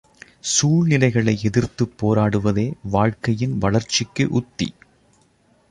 சூழ்நிலைகளை எதிர்த்துப் போராடுவதே வாழ்க்கையின் வளர்ச்சிக்கு உத்தி.